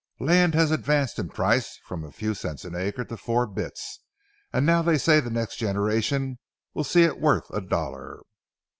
Land has advanced in price from a few cents an acre to four bits, and now they say the next generation will see it worth a dollar.